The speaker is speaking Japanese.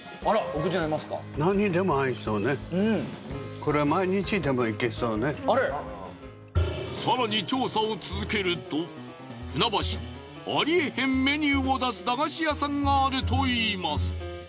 これは更に調査を続けると船橋にありえへんメニューを出す駄菓子屋さんがあるといいます。